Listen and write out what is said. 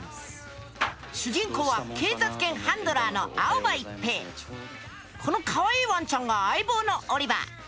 主人公は警察犬ハンドラーのこのかわいいワンちゃんが相棒のオリバー。